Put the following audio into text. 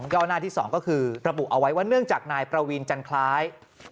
เก้าหน้าที่๒ก็คือระบุเอาไว้ว่าเนื่องจากนายประวีนจันทราย